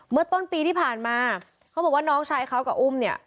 ต้นปีที่ผ่านมาเขาบอกว่าน้องชายเขากับอุ้มเนี่ย